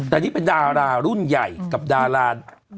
แต่นี่เป็นดารารุ่นใหญ่กับดารา